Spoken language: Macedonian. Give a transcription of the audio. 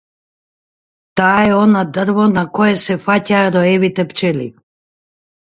Таа е она дрво на кое се фаќаа роевите пчели.